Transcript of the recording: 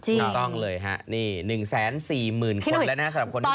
จริงค่ะนี่๑๔๐๐๐๐๐คนแล้วนะครับสำหรับคนที่ติดตาม